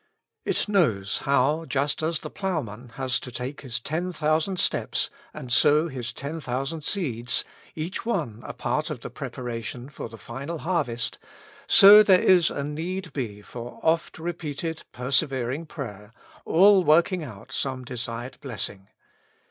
It knows how, just as the ploughman has to take his ten thousand steps and sow his ten thousand seeds, each one a part of the preparation for the final harvest, so there is a need be for oft repeated persevering prayer, all work ing out some desired blessing.